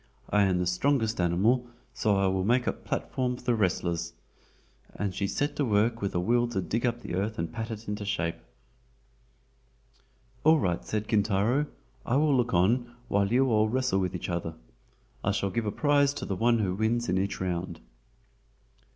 "I am the strongest animal, so I will make the platform for the wrestlers;" and she set to work with a will to dig up the earth and to pat it into shape. "All right," said Kintaro, "I will look on while you all wrestle with each other. I shall give a prize to the one who wins in each round."